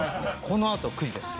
このあと９時です。